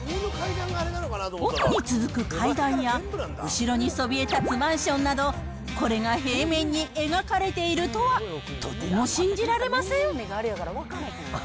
奥に続く階段や、後ろにそびえたつマンションなど、これが平面に描かれているとは、とても信じられません。